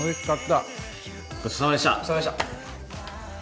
ごちそうさまでした。